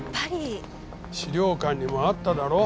資料館にもあっただろ？